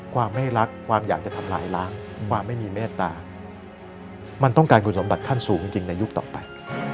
ความไม่รักความอยากจะทำลายล้างความไม่มีเมตตามันต้องการคุณสมบัติขั้นสูงจริงในยุคต่อไป